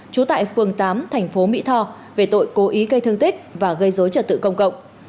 trú tại phường tám thành phố mỹ tho về tội cố ý gây thương tích và gây dối trật tự công cộng